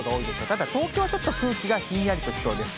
ただ東京、ちょっと空気がひんやりとしそうです。